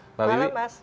selamat malam mas